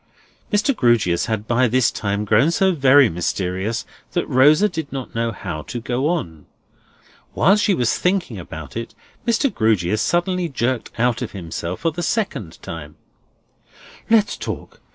Mr. Grewgious had by this time grown so very mysterious, that Rosa did not know how to go on. While she was thinking about it Mr. Grewgious suddenly jerked out of himself for the second time: "Let's talk.